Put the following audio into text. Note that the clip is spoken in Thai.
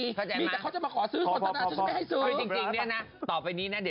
มีแต่เขาจะมาขอซื้อสนตนาฉันจะไม่ให้ซื้อ